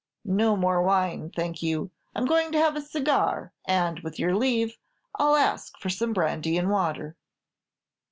No more wine, thank you; I 'm going to have a cigar, and, with your leave, I 'll ask for some brandy and water."